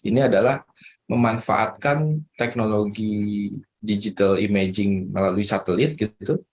ini adalah memanfaatkan teknologi digital imaging melalui satelit gitu